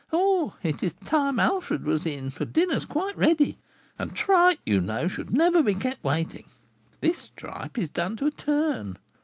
Ah, it is time Alfred was in, for dinner is quite ready, and tripe, you know, should never be kept waiting. This tripe is done to a turn.